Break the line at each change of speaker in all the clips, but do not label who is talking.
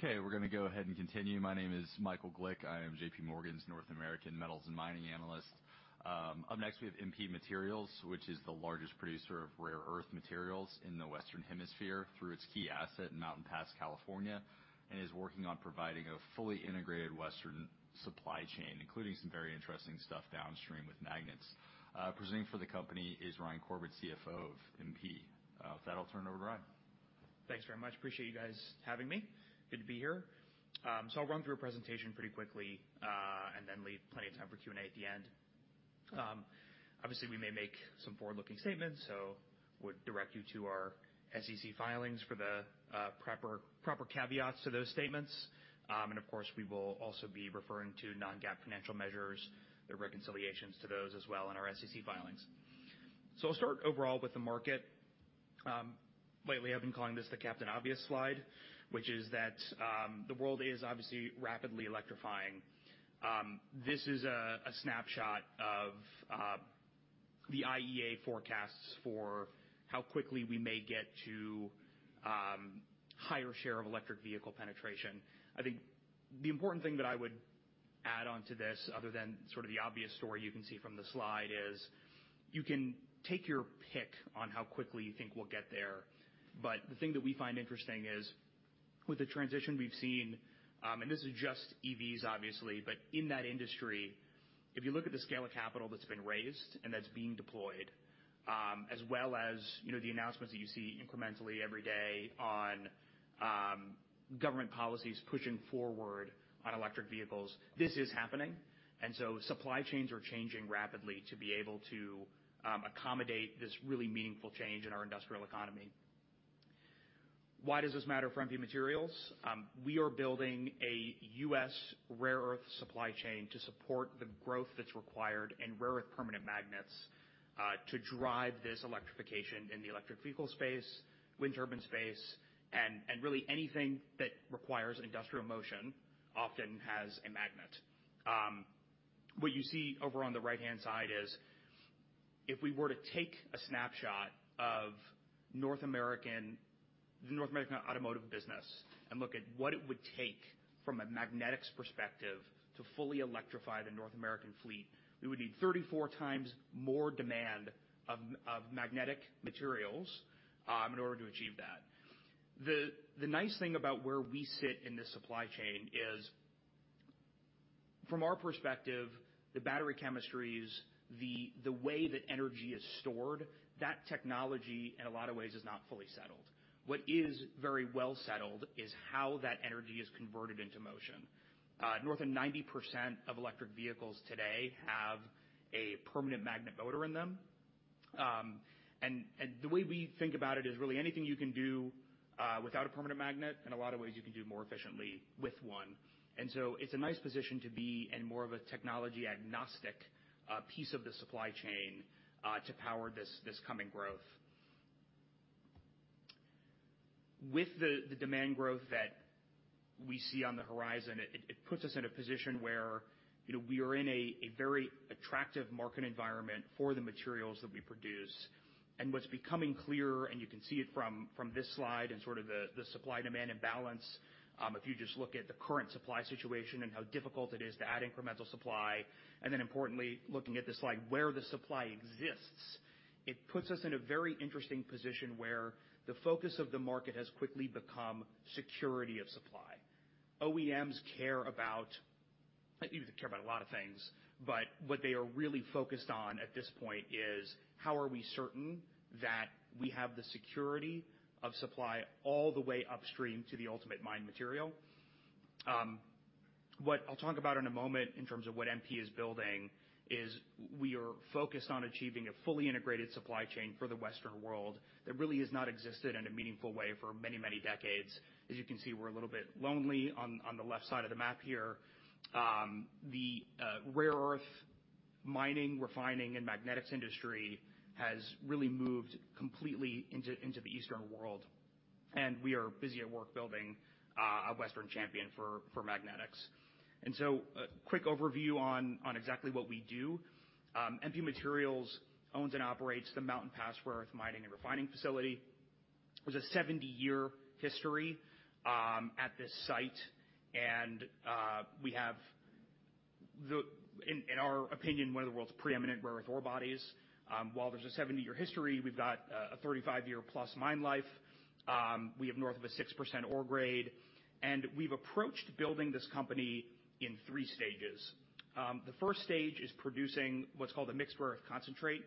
Okay, we're gonna go ahead and continue. My name is Michael Glick. I am JPMorgan's North American Metals and Mining analyst. Up next, we have MP Materials, which is the largest producer of rare earth materials in the Western Hemisphere through its key asset in Mountain Pass, California, and is working on providing a fully integrated Western supply chain, including some very interesting stuff downstream with magnets. Presenting for the company is Ryan Corbett, CFO of MP. With that, I'll turn it over to Ryan.
Thanks very much. Appreciate you guys having me. Good to be here. I'll run through a presentation pretty quickly, and then leave plenty of time for Q&A at the end. Obviously, we may make some forward-looking statements, so I'd direct you to our SEC filings for the proper caveats to those statements. Of course, we will also be referring to non-GAAP financial measures, the reconciliations to those as well in our SEC filings. I'll start overall with the market. Lately I've been calling this the Captain Obvious slide, which is that, the world is obviously rapidly electrifying. This is a snapshot of the IEA forecasts for how quickly we may get to higher share of electric vehicle penetration. I think the important thing that I would add on to this, other than sort of the obvious story you can see from the slide, is you can take your pick on how quickly you think we'll get there. The thing that we find interesting is with the transition we've seen, and this is just EVs obviously, but in that industry, if you look at the scale of capital that's been raised and that's being deployed, as well as, you know, the announcements that you see incrementally every day on, government policies pushing forward on electric vehicles, this is happening. Supply chains are changing rapidly to be able to accommodate this really meaningful change in our industrial economy. Why does this matter for MP Materials? We are building a U.S. rare earth supply chain to support the growth that's required in rare earth permanent magnets to drive this electrification in the electric vehicle space, wind turbine space, and really anything that requires industrial motion often has a magnet. What you see over on the right-hand side is if we were to take a snapshot of the North American automotive business and look at what it would take from a magnetics perspective to fully electrify the North American fleet, we would need 34 times more demand of magnetic materials in order to achieve that. The nice thing about where we sit in this supply chain is, from our perspective, the battery chemistries, the way that energy is stored, that technology in a lot of ways is not fully settled. What is very well settled is how that energy is converted into motion. North of 90% of electric vehicles today have a permanent magnet motor in them. The way we think about it is really anything you can do without a permanent magnet, in a lot of ways you can do more efficiently with one. It's a nice position to be in more of a technology agnostic piece of the supply chain to power this coming growth. With the demand growth that we see on the horizon, it puts us in a position where, you know, we are in a very attractive market environment for the materials that we produce. What's becoming clearer, and you can see it from this slide and sort of the supply-demand imbalance, if you just look at the current supply situation and how difficult it is to add incremental supply, and then importantly, looking at the slide where the supply exists, it puts us in a very interesting position where the focus of the market has quickly become security of supply. OEMs care about a lot of things, but what they are really focused on at this point is how are we certain that we have the security of supply all the way upstream to the ultimate mined material? What I'll talk about in a moment in terms of what MP is building is we are focused on achieving a fully integrated supply chain for the Western world that really has not existed in a meaningful way for many, many decades. As you can see, we're a little bit lonely on the left side of the map here. The rare earth mining, refining, and magnetics industry has really moved completely into the Eastern world, and we are busy at work building a Western champion for magnetics. A quick overview on exactly what we do. MP Materials owns and operates the Mountain Pass rare earth mining and refining facility with a 70-year history at this site. We have, in our opinion, one of the world's preeminent rare earth ore bodies. While there's a 70-year history, we've got a 35-year-plus mine life. We have north of a 6% ore grade. We've approached building this company in three stages. The first stage is producing what's called a mixed rare earth concentrate,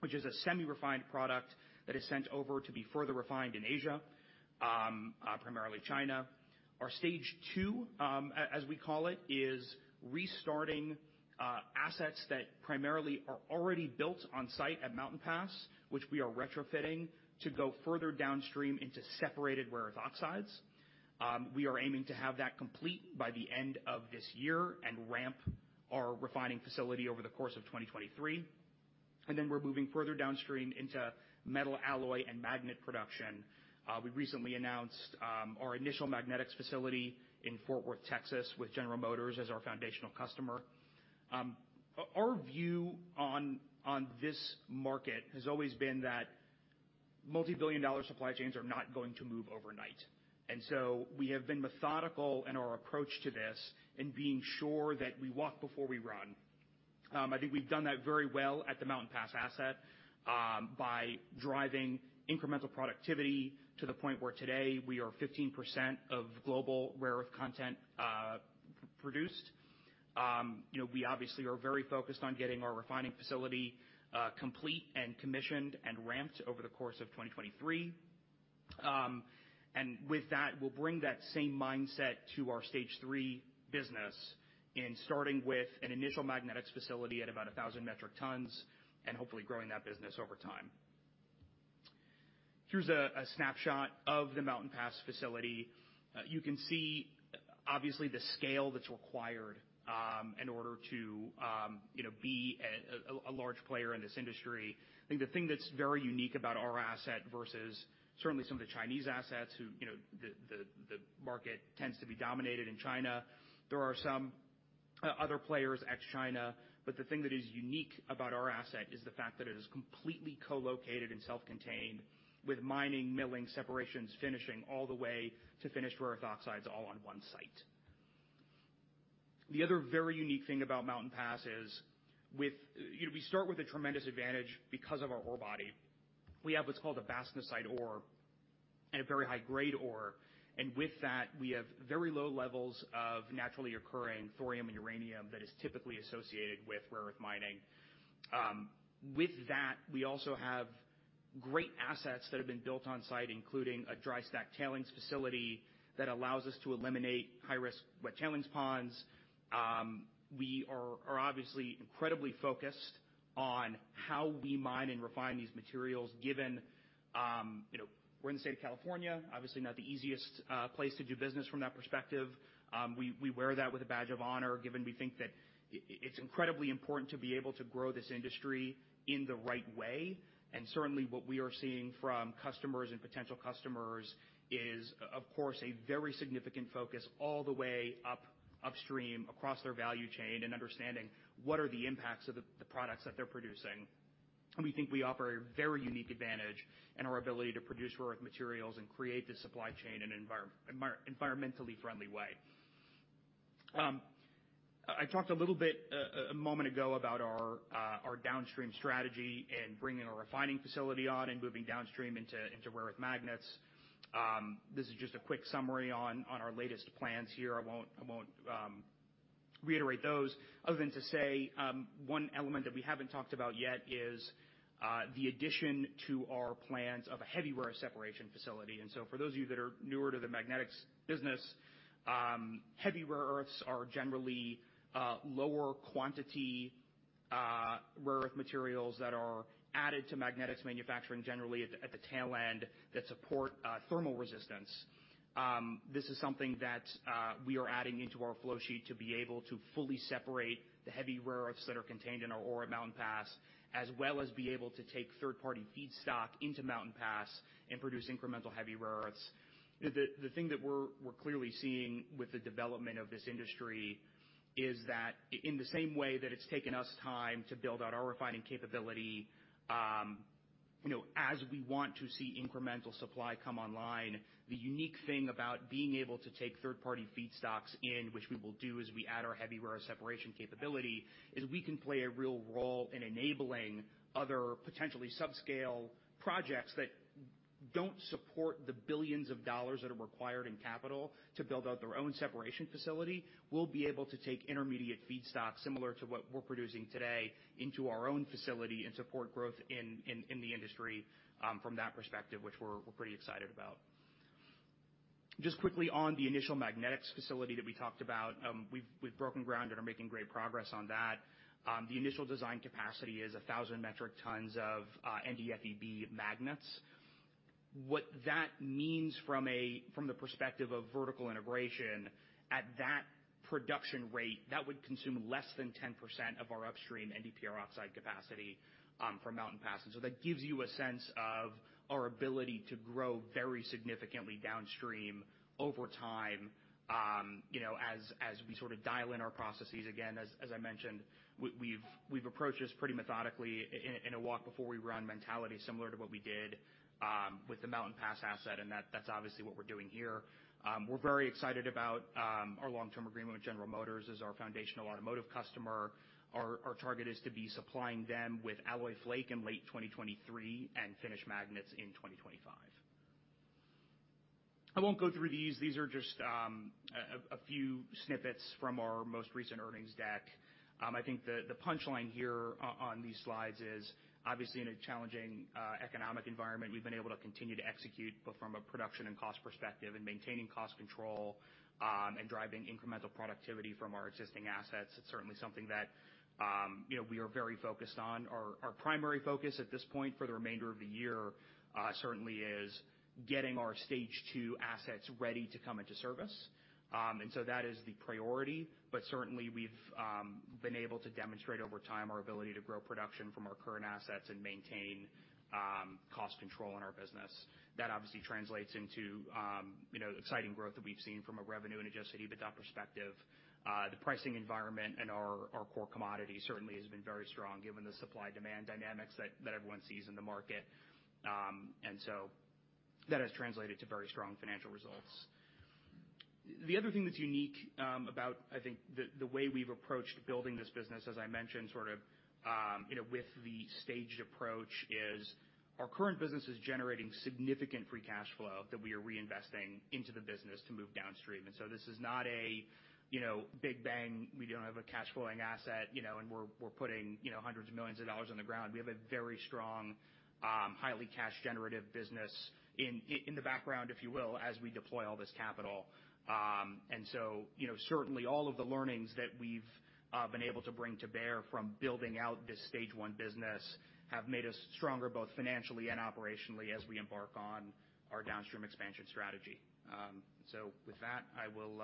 which is a semi-refined product that is sent over to be further refined in Asia, primarily China. Our stage two, as we call it, is restarting assets that primarily are already built on site at Mountain Pass, which we are retrofitting to go further downstream into separated rare earth oxides. We are aiming to have that complete by the end of this year and ramp our refining facility over the course of 2023. Then we're moving further downstream into metal alloy and magnet production. We recently announced our initial magnetics facility in Fort Worth, Texas, with General Motors as our foundational customer. Our view on this market has always been that multi-billion dollar supply chains are not going to move overnight. We have been methodical in our approach to this in being sure that we walk before we run. I think we've done that very well at the Mountain Pass asset by driving incremental productivity to the point where today we are 15% of global rare earth content produced. You know, we obviously are very focused on getting our refining facility complete and commissioned and ramped over the course of 2023. With that, we'll bring that same mindset to our stage three business in starting with an initial magnetics facility at about 1,000 metric tons and hopefully growing that business over time. Here's a snapshot of the Mountain Pass facility. You can see, obviously, the scale that's required in order to, you know, be a large player in this industry. I think the thing that's very unique about our asset versus certainly some of the Chinese assets, you know, the market tends to be dominated in China. There are some other players ex-China, but the thing that is unique about our asset is the fact that it is completely co-located and self-contained with mining, milling, separations, finishing, all the way to finished rare earth oxides all on one site. The other very unique thing about Mountain Pass is, you know, we start with a tremendous advantage because of our ore body. We have what's called a bastnaesite ore and a very high-grade ore, and with that, we have very low levels of naturally occurring thorium and uranium that is typically associated with rare earth mining. With that, we also have great assets that have been built on site, including a dry stack tailings facility that allows us to eliminate high-risk wet tailings ponds. We are obviously incredibly focused on how we mine and refine these materials given, you know, we're in the state of California, obviously not the easiest place to do business from that perspective. We wear that with a badge of honor given we think that it's incredibly important to be able to grow this industry in the right way. Certainly, what we are seeing from customers and potential customers is, of course, a very significant focus all the way upstream across their value chain and understanding what are the impacts of the products that they're producing. We think we offer a very unique advantage in our ability to produce rare earth materials and create the supply chain in an environmentally friendly way. I talked a little bit a moment ago about our downstream strategy and bringing a refining facility on and moving downstream into rare earth magnets. This is just a quick summary on our latest plans here. I won't reiterate those other than to say, one element that we haven't talked about yet is the addition to our plans of a heavy rare earth separation facility. For those of you that are newer to the magnetics business, heavy rare earths are generally lower quantity rare earth materials that are added to magnetics manufacturing generally at the tail end that support thermal resistance. This is something that we are adding into our flow sheet to be able to fully separate the heavy rare earths that are contained in our ore at Mountain Pass, as well as be able to take third-party feedstock into Mountain Pass and produce incremental heavy rare earths. The thing that we're clearly seeing with the development of this industry is that in the same way that it's taken us time to build out our refining capability, you know, as we want to see incremental supply come online, the unique thing about being able to take third-party feedstocks in, which we will do as we add our heavy rare earth separation capability, is we can play a real role in enabling other potentially subscale projects that don't support the billions of dollars that are required in capital to build out their own separation facility. We'll be able to take intermediate feedstock similar to what we're producing today into our own facility and support growth in the industry, from that perspective, which we're pretty excited about. Just quickly on the initial magnetics facility that we talked about, we've broken ground and are making great progress on that. The initial design capacity is 1,000 metric tons of NdFeB magnets. What that means from the perspective of vertical integration at that production rate, that would consume less than 10% of our upstream NdPr oxide capacity from Mountain Pass. That gives you a sense of our ability to grow very significantly downstream over time, you know, as we sort of dial in our processes. Again, as I mentioned, we've approached this pretty methodically in a walk before we run mentality, similar to what we did with the Mountain Pass asset, and that's obviously what we're doing here. We're very excited about our long-term agreement with General Motors as our foundational automotive customer. Our target is to be supplying them with alloy flake in late 2023 and finished magnets in 2025. I won't go through these. These are just a few snippets from our most recent earnings deck. I think the punchline here on these slides is obviously in a challenging economic environment, we've been able to continue to execute, but from a production and cost perspective and maintaining cost control, and driving incremental productivity from our existing assets, it's certainly something that you know, we are very focused on. Our primary focus at this point for the remainder of the year certainly is getting our stage two assets ready to come into service. That is the priority. Certainly, we've been able to demonstrate over time our ability to grow production from our current assets and maintain cost control in our business. That obviously translates into you know, exciting growth that we've seen from a revenue and adjusted EBITDA perspective. The pricing environment in our core commodity certainly has been very strong given the supply-demand dynamics that everyone sees in the market. And so that has translated to very strong financial results. The other thing that's unique about, I think, the way we've approached building this business, as I mentioned, sort of you know, with the staged approach, is our current business is generating significant free cash flow that we are reinvesting into the business to move downstream. This is not a, you know, big bang. We don't have a cash flowing asset, you know, and we're putting, you know, hundreds of millions of dollars on the ground. We have a very strong, highly cash generative business in the background, if you will, as we deploy all this capital. You know, certainly all of the learnings that we've been able to bring to bear from building out this stage one business have made us stronger, both financially and operationally, as we embark on our downstream expansion strategy. With that, I will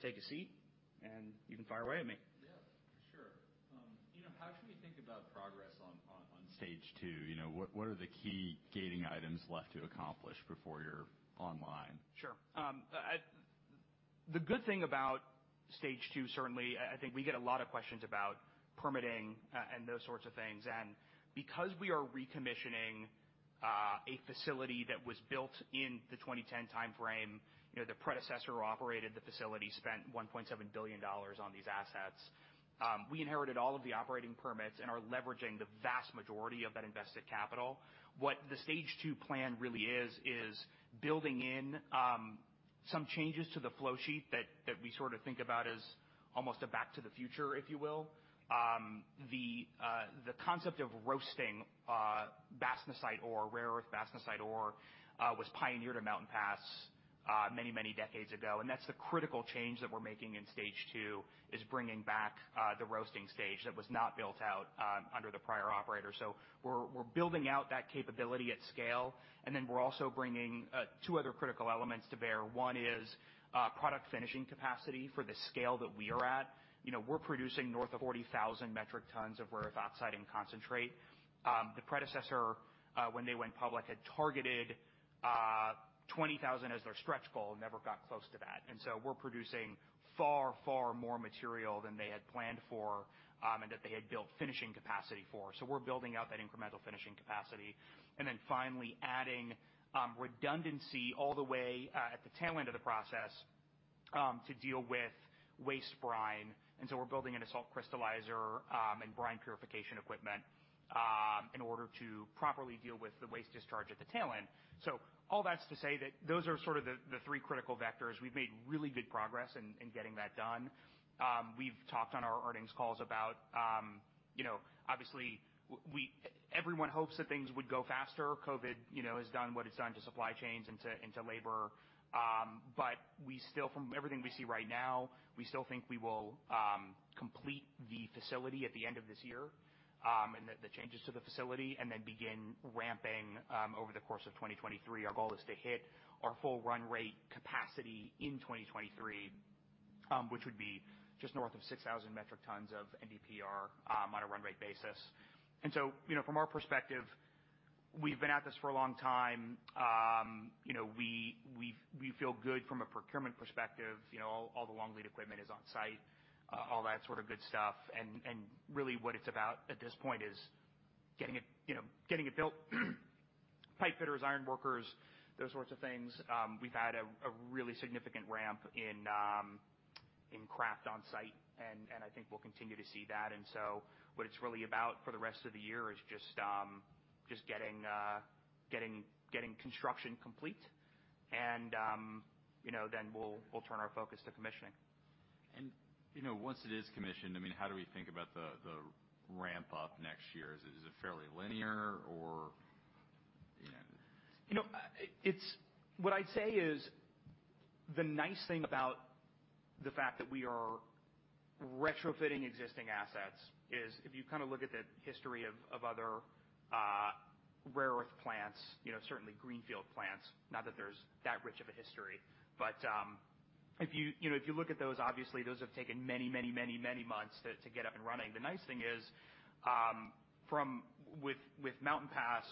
take a seat, and you can fire away at me.
Yeah, sure. You know, how should we think about progress on stage two? You know, what are the key gating items left to accomplish before you're online?
Sure. The good thing about stage two, certainly, I think we get a lot of questions about permitting and those sorts of things. Because we are recommissioning a facility that was built in the 2010 timeframe, you know, the predecessor who operated the facility spent $1.7 billion on these assets. We inherited all of the operating permits and are leveraging the vast majority of that invested capital. What the stage two plan really is building in some changes to the flow sheet that we sort of think about as almost a back to the future, if you will. The concept of roasting bastnaesite ore, rare earth bastnaesite ore, was pioneered at Mountain Pass many decades ago. That's the critical change that we're making in stage two, is bringing back the roasting stage that was not built out under the prior operator. We're building out that capability at scale, and then we're also bringing two other critical elements to bear. One is product finishing capacity for the scale that we are at. You know, we're producing north of 40,000 metric tons of rare earth oxide and concentrate. The predecessor, when they went public, had targeted 20,000 as their stretch goal and never got close to that. We're producing far, far more material than they had planned for, and that they had built finishing capacity for. We're building out that incremental finishing capacity. Then finally adding redundancy all the way at the tail end of the process to deal with waste brine. We're building a salt crystallizer and brine purification equipment in order to properly deal with the waste discharge at the tail end. All that's to say that those are sort of the three critical vectors. We've made really good progress in getting that done. We've talked on our earnings calls about you know obviously everyone hopes that things would go faster. COVID you know has done what it's done to supply chains and to labor. We still, from everything we see right now, we still think we will complete the facility at the end of this year, and the changes to the facility, and then begin ramping over the course of 2023. Our goal is to hit our full run rate capacity in 2023, which would be just north of 6,000 metric tons of NdPr on a run rate basis. You know, from our perspective, we've been at this for a long time. You know, we feel good from a procurement perspective. You know, all the long lead equipment is on site, all that sort of good stuff. Really what it's about at this point is getting it, you know, getting it built. Pipe fitters, ironworkers, those sorts of things. We've had a really significant ramp in craft on site, and I think we'll continue to see that. What it's really about for the rest of the year is just getting construction complete and, you know, then we'll turn our focus to commissioning.
You know, once it is commissioned, I mean, how do we think about the ramp up next year? Is it fairly linear or, you know?
You know, what I'd say is the nice thing about the fact that we are retrofitting existing assets is if you kind of look at the history of other rare earth plants, you know, certainly greenfield plants, not that there's that rich of a history, but if you know, if you look at those, obviously those have taken many many many many months to get up and running. The nice thing is, with Mountain Pass,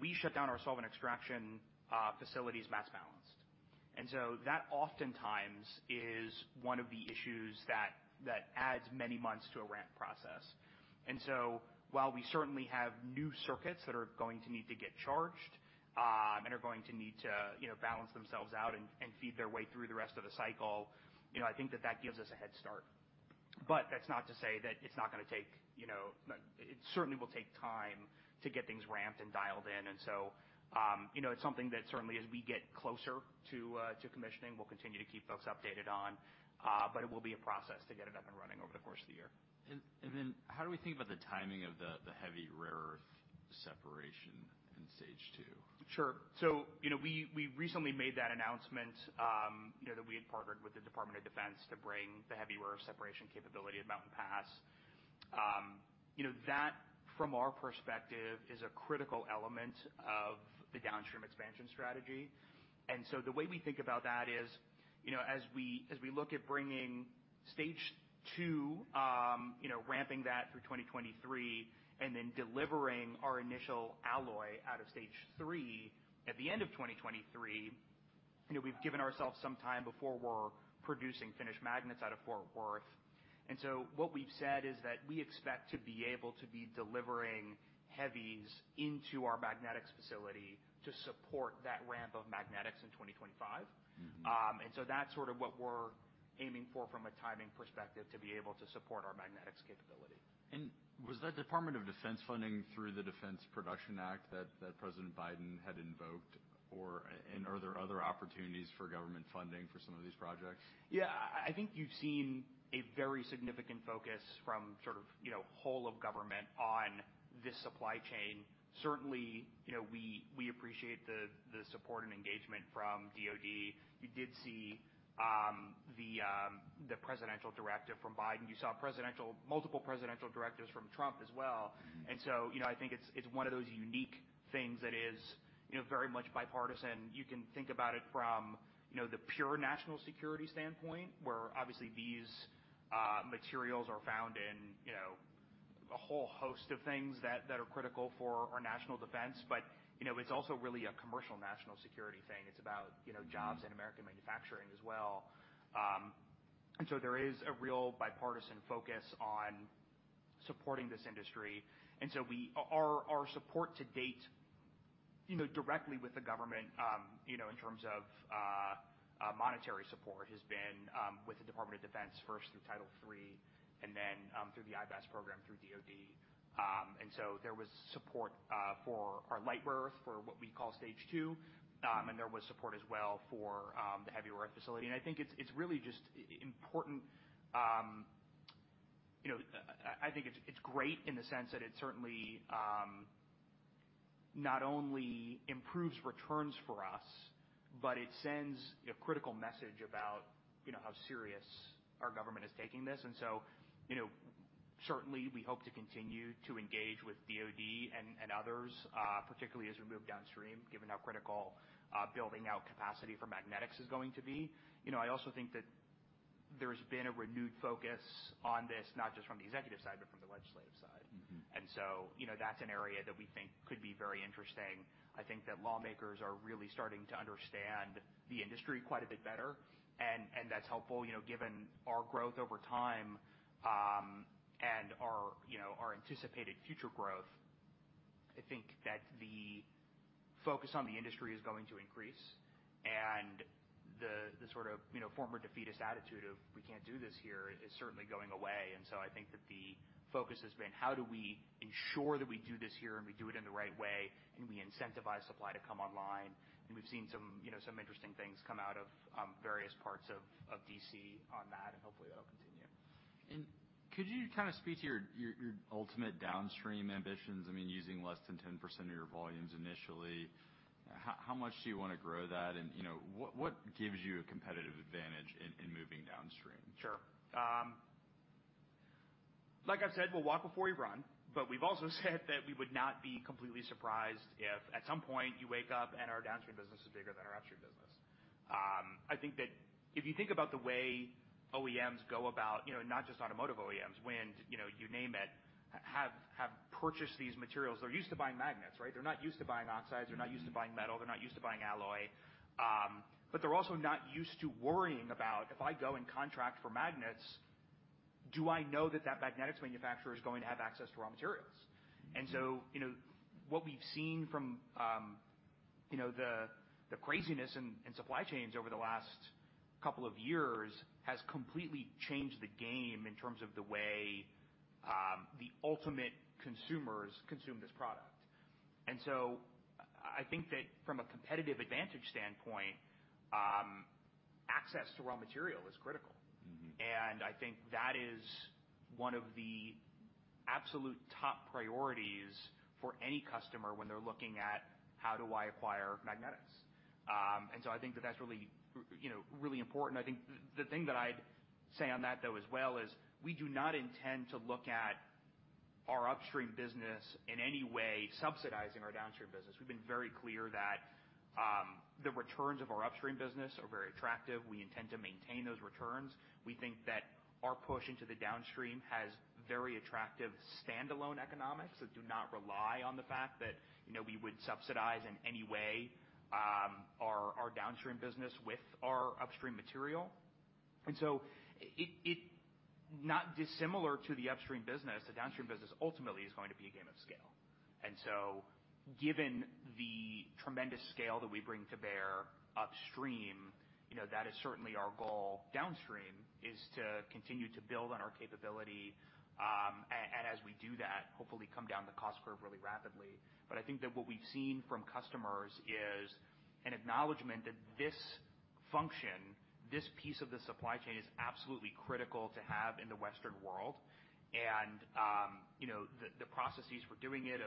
we shut down our solvent extraction facilities mass balanced. That oftentimes is one of the issues that adds many months to a ramp process. While we certainly have new circuits that are going to need to get charged, and are going to need to, you know, balance themselves out and feed their way through the rest of the cycle, you know, I think that gives us a head start. That's not to say that it's not gonna take, you know. It certainly will take time to get things ramped and dialed in. It's something that certainly as we get closer to commissioning, we'll continue to keep folks updated on, but it will be a process to get it up and running over the course of the year.
How do we think about the timing of the heavy rare earth separation in stage two?
Sure. You know, we recently made that announcement, you know, that we had partnered with the Department of Defense to bring the heavy rare earth separation capability at Mountain Pass. You know, that, from our perspective, is a critical element of the downstream expansion strategy. The way we think about that is, you know, as we look at bringing stage two, you know, ramping that through 2023 and then delivering our initial alloy out of stage three at the end of 2023, you know, we've given ourselves some time before we're producing finished magnets out of Fort Worth. What we've said is that we expect to be able to be delivering heavies into our magnetics facility to support that ramp of magnetics in 2025.
Mm-hmm.
That's sort of what we're aiming for from a timing perspective to be able to support our magnetics capability.
Was that Department of Defense funding through the Defense Production Act that President Biden had invoked, or are there other opportunities for government funding for some of these projects?
Yeah. I think you've seen a very significant focus from sort of, you know, whole of government on this supply chain. Certainly, you know, we appreciate the support and engagement from DoD. You did see the presidential directive from Biden. You saw multiple presidential directives from Trump as well.
Mm-hmm.
You know, I think it's one of those unique things that is, you know, very much bipartisan. You can think about it from, you know, the pure national security standpoint, where obviously these materials are found in, you know, a whole host of things that are critical for our national defense. You know, it's also really a commercial national security thing. It's about, you know. jobs and American manufacturing as well. There is a real bipartisan focus on supporting this industry. Our support to date, you know, directly with the government, you know, in terms of monetary support has been with the Department of Defense first through Title III and then through the IBAS program through DoD. There was support for our light rare earth for what we call stage two, and there was support as well for the heavy rare earth facility. I think it's really just important. You know, I think it's great in the sense that it certainly not only improves returns for us, but it sends a critical message about, you know, how serious our government is taking this. You know, certainly we hope to continue to engage with DoD and others, particularly as we move downstream, given how critical building out capacity for magnetics is going to be. You know, I also think that there's been a renewed focus on this, not just from the executive side, but from the legislative side.
Mm-hmm.
You know, that's an area that we think could be very interesting. I think that lawmakers are really starting to understand the industry quite a bit better, and that's helpful. You know, given our growth over time, and our, you know, our anticipated future growth, I think that the focus on the industry is going to increase and the sort of, you know, former defeatist attitude of, "We can't do this here," is certainly going away. I think that the focus has been how do we ensure that we do this here and we do it in the right way, and we incentivize supply to come online. We've seen some, you know, interesting things come out of various parts of D.C. on that, and hopefully that'll continue.
Could you kind of speak to your ultimate downstream ambitions? I mean, using less than 10% of your volumes initially, how much do you wanna grow that? You know, what gives you a competitive advantage in moving downstream?
Sure. Like I've said, we'll walk before we run, but we've also said that we would not be completely surprised if at some point you wake up and our downstream business is bigger than our upstream business. I think that if you think about the way OEMs go about, you know, not just automotive OEMs, wind, you know, you name it, have purchased these materials. They're used to buying magnets, right? They're not used to buying oxides. They're not used to buying metal. They're not used to buying alloy. They're also not used to worrying about if I go and contract for magnets, do I know that the magnet manufacturer is going to have access to raw materials? You know, what we've seen from, you know, the craziness in supply chains over the last couple of years has completely changed the game in terms of the way, the ultimate consumers consume this product. I think that from a competitive advantage standpoint, access to raw material is critical.
Mm-hmm.
I think that is one of the absolute top priorities for any customer when they're looking at, "How do I acquire magnetics?" I think that that's really, you know, really important. I think the thing that I'd say on that though as well is we do not intend to look at our upstream business in any way subsidizing our downstream business. We've been very clear that the returns of our upstream business are very attractive. We intend to maintain those returns. We think that our push into the downstream has very attractive standalone economics that do not rely on the fact that, you know, we would subsidize in any way, our downstream business with our upstream material. Not dissimilar to the upstream business, the downstream business ultimately is going to be a game of scale. Given the tremendous scale that we bring to bear upstream, you know, that is certainly our goal downstream, is to continue to build on our capability, and as we do that, hopefully come down the cost curve really rapidly. But I think that what we've seen from customers is an acknowledgement that this function, this piece of the supply chain is absolutely critical to have in the Western world. You know, the processes for doing it,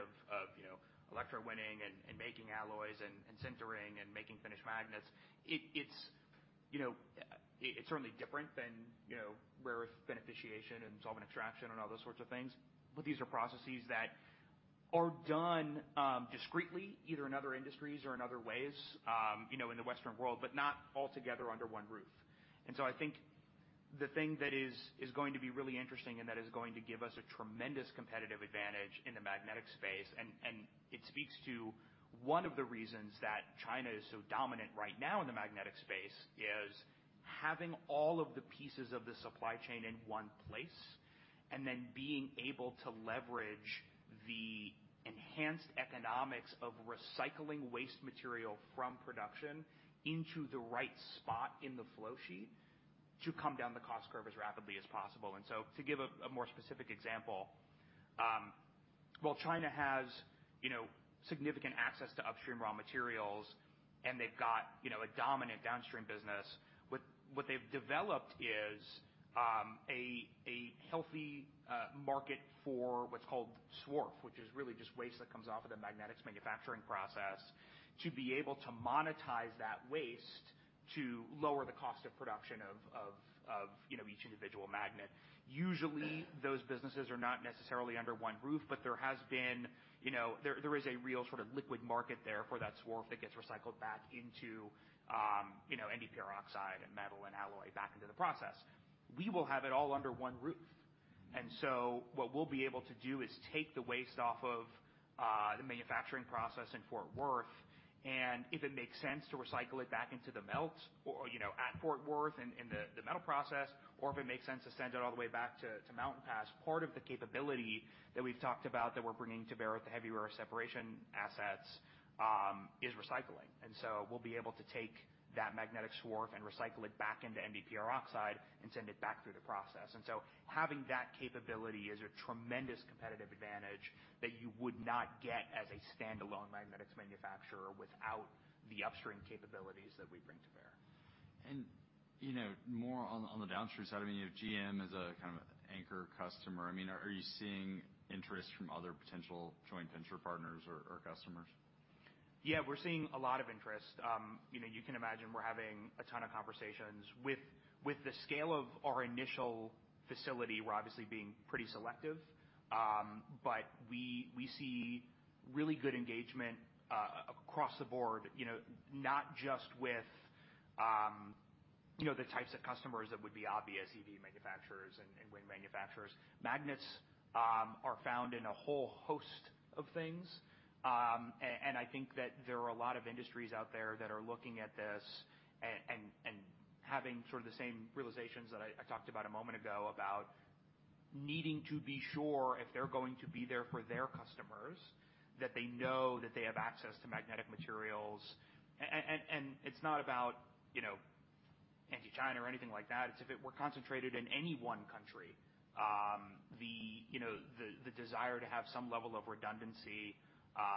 you know, electrowinning and making alloys and sintering and making finished magnets, it's, you know. It's certainly different than, you know, rare earth beneficiation and solvent extraction and all those sorts of things, but these are processes that are done discreetly either in other industries or in other ways, you know, in the Western world, but not all together under one roof. I think the thing that is going to be really interesting and that is going to give us a tremendous competitive advantage in the magnetic space, and it speaks to one of the reasons that China is so dominant right now in the magnetic space, is having all of the pieces of the supply chain in one place, and then being able to leverage the enhanced economics of recycling waste material from production into the right spot in the flow sheet to come down the cost curve as rapidly as possible. To give a more specific example, while China has you know significant access to upstream raw materials, and they've got you know a dominant downstream business, what they've developed is a healthy market for what's called swarf, which is really just waste that comes off of the magnets manufacturing process, to be able to monetize that waste to lower the cost of production of you know each individual magnet. Usually, those businesses are not necessarily under one roof, but there has been you know there is a real sort of liquid market there for that swarf that gets recycled back into you know NdFeB oxide and metal and alloy back into the process. We will have it all under one roof. What we'll be able to do is take the waste off of the manufacturing process in Fort Worth, and if it makes sense to recycle it back into the melt or, you know, at Fort Worth in the metal process, or if it makes sense to send it all the way back to Mountain Pass. Part of the capability that we've talked about that we're bringing to bear with the heavy rare earth separation assets is recycling. We'll be able to take that magnetic swarf and recycle it back into NdFeB oxide and send it back through the process. Having that capability is a tremendous competitive advantage that you would not get as a standalone magnetics manufacturer without the upstream capabilities that we bring to bear.
You know, more on the downstream side, I mean, you know, GM is a kind of anchor customer. I mean, are you seeing interest from other potential joint venture partners or customers?
Yeah, we're seeing a lot of interest. You know, you can imagine we're having a ton of conversations. With the scale of our initial facility, we're obviously being pretty selective. But we see really good engagement across the board, you know, not just with the types of customers that would be obvious EV manufacturers and wind manufacturers. Magnets are found in a whole host of things. I think that there are a lot of industries out there that are looking at this and having sort of the same realizations that I talked about a moment ago about needing to be sure if they're going to be there for their customers, that they know that they have access to magnetic materials. It's not about, you know, anti-China or anything like that. It's if it were concentrated in any one country, you know, the desire to have some level of redundancy,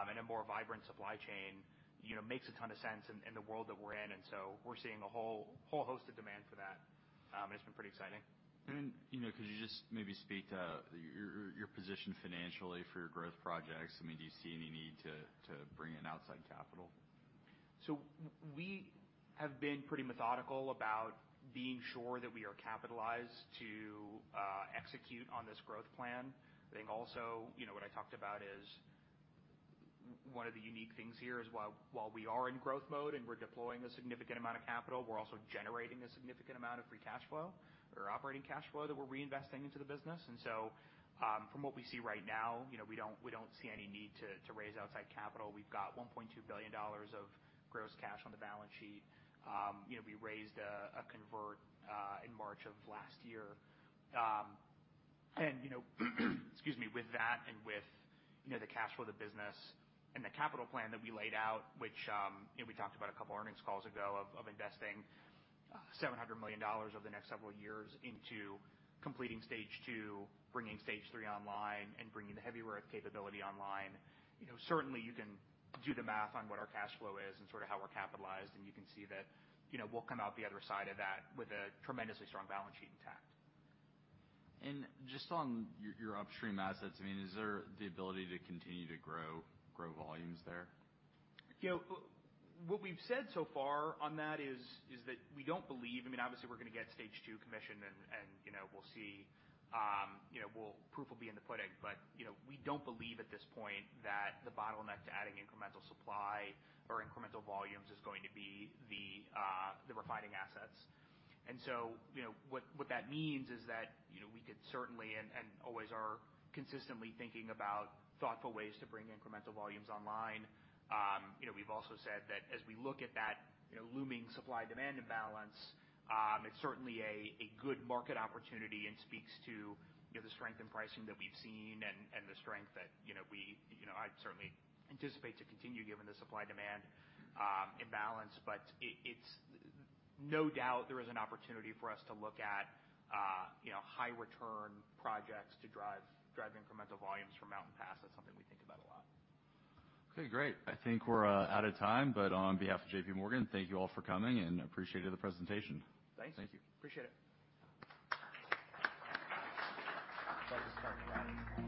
and a more vibrant supply chain, you know, makes a ton of sense in the world that we're in. We're seeing a whole host of demand for that. It's been pretty exciting.
You know, could you just maybe speak to your position financially for your growth projects? I mean, do you see any need to bring in outside capital?
We have been pretty methodical about being sure that we are capitalized to execute on this growth plan. I think also, you know, what I talked about is one of the unique things here is while we are in growth mode and we're deploying a significant amount of capital, we're also generating a significant amount of free cash flow or operating cash flow that we're reinvesting into the business. From what we see right now, you know, we don't see any need to raise outside capital. We've got $1.2 billion of gross cash on the balance sheet. You know, we raised a convertible in March of last year. You know, excuse me. With that, with you know, the cash flow of the business and the capital plan that we laid out, which, you know, we talked about a couple earnings calls ago of investing $700 million over the next several years into completing stage two, bringing stage three online, and bringing the heavy rare earth capability online. You know, certainly you can do the math on what our cash flow is and sort of how we're capitalized, and you can see that, you know, we'll come out the other side of that with a tremendously strong balance sheet intact.
Just on your upstream assets, I mean, is there the ability to continue to grow volumes there?
You know, what we've said so far on that is that we don't believe. I mean, obviously, we're gonna get stage two commission and, you know, we'll see. You know, proof will be in the pudding. You know, we don't believe at this point that the bottleneck to adding incremental supply or incremental volumes is going to be the refining assets. You know, what that means is that, you know, we could certainly and always are consistently thinking about thoughtful ways to bring incremental volumes online. You know, we've also said that as we look at that, you know, looming supply-demand imbalance, it's certainly a good market opportunity and speaks to, you know, the strength in pricing that we've seen and the strength that, you know, we, you know, I'd certainly anticipate to continue given the supply-demand imbalance. It's no doubt there is an opportunity for us to look at, you know, high return projects to drive incremental volumes from Mountain Pass. That's something we think about a lot.
Okay, great. I think we're out of time, but on behalf of JPMorgan, thank you all for coming, and appreciated the presentation.
Thanks.
Thank you.
Appreciate it.
Let us start that.